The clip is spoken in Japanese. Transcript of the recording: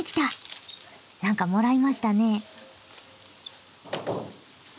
何かもらいましたね。